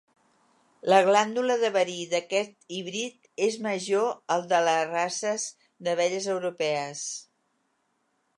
La glàndula de verí d'aquest híbrid és major al de les races d'abelles europees.